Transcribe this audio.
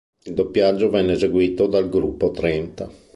Il doppiaggio venne eseguito dal Gruppo Trenta.